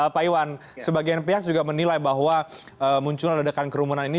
pak iwan sebagian pihak juga menilai bahwa munculnya ledakan kerumunan ini